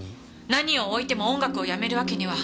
何を置いても音楽をやめるわけには。